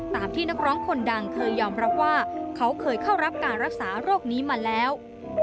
ตามที่นักร้องคนดังเคยยอมรับว่าเขาเคยเข้ารับการรักษาโรคนี้มาแล้ว